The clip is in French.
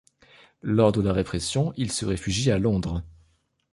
Lors de la répression, il se réfugie à Londres.